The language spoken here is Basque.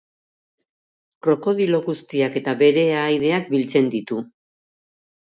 Krokodilo guztiak eta bere ahaideak biltzen ditu.